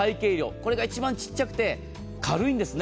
これが一番小さくて軽いんですね。